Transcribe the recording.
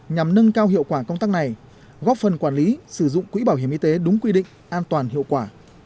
nhằm nâng cao hiệu quả công tác này góp phần quản lý sử dụng quỹ bảo hiểm y tế đúng quy định an toàn hiệu quả